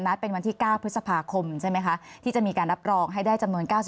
เป็นวันที่๙พฤษภาคมใช่ไหมคะที่จะมีการรับรองให้ได้จำนวน๙๐